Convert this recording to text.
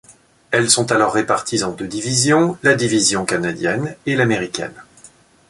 Elles sont alors réparties en deux divisions, la division Canadienne et l'Américaine.